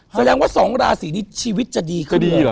แสดงว่า๒ราศีนี้ชีวิตจะดีขึ้นเลยเหรอ